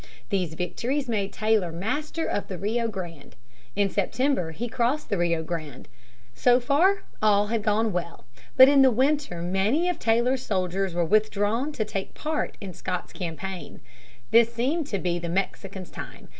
These victories made Taylor master of the Rio Grande. In September he crossed the Rio Grande. So far all had gone well. But in the winter many of Taylor's soldiers were withdrawn to take part in Scott's campaign. This seemed to be the Mexicans' time.